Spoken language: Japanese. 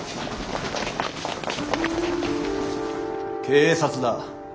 警察だ。